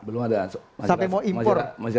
belum ada masih rahasia